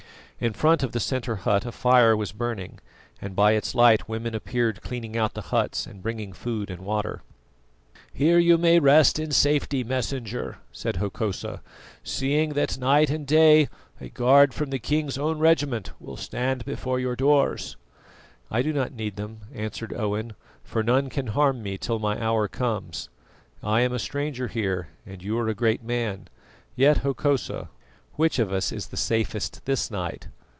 In front of the centre hut a fire was burning, and by its light women appeared cleaning out the huts and bringing food and water. "Here you may rest in safety, Messenger," said Hokosa, "seeing that night and day a guard from the king's own regiment will stand before your doors." "I do not need them," answered Owen, "for none can harm me till my hour comes. I am a stranger here and you are a great man; yet, Hokosa, which of us is the safest this night?"